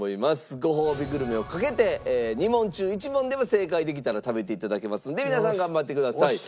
ごほうびグルメを懸けて２問中１問でも正解できたら食べていただけますんで皆さん頑張ってください。